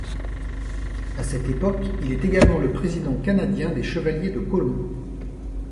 À cette époque, il est également le président canadien des Chevaliers de Colomb.